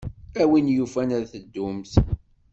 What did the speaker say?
A win yufan ad teddumt.